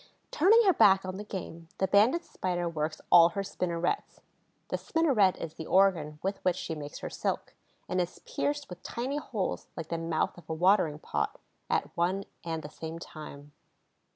Turning her back on the game, the Banded Spider works all her spinnerets—the spinneret is the organ with which she makes her silk, and is pierced with tiny holes like the mouth of a watering pot—at one and the same time.